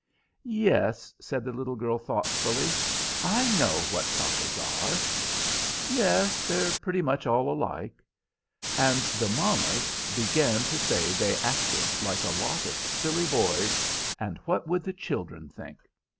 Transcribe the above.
"Yes," said the little girl, thoughtfully; "I know what papas are." "Yes, they're pretty much all alike." And the mammas began to say they acted like a lot of silly boys; and what would the children think?